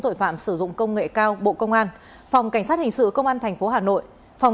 tội phạm sử dụng công nghệ cao bộ công an phòng cảnh sát hình sự công an tp hà nội phòng